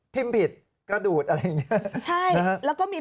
พิมพิษกระดูดอะไรแบบนี้